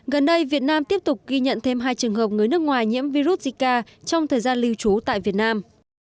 gần đây việt nam tiếp tục ghi nhận thêm hai trường hợp người nước ngoài nhiễm virus zika trong thời gian lưu trú tại việt nam